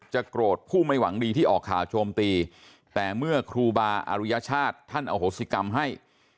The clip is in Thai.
โกรธผู้ไม่หวังดีที่ออกข่าวโจมตีแต่เมื่อครูบาอรุยชาติท่านอโหสิกรรมให้